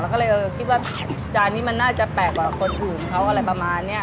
ก็เลยคิดว่าจานนี้มันน่าจะแปลกกว่าคนอื่นเขาอะไรประมาณนี้